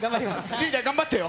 リーダー、頑張ってよ。